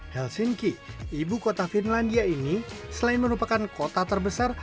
helsinki ibu kota finlandia ini selain merupakan kota terbesar